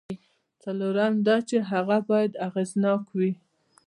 څلورم دا چې هغه باید اغېزناک وي.